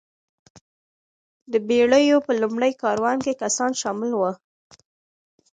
د بېړیو په لومړي کاروان کې کسان شامل وو.